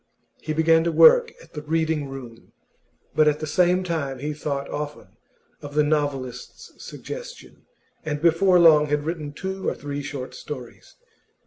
He began to work at the Reading room, but at the same time he thought often of the novelist's suggestion, and before long had written two or three short stories.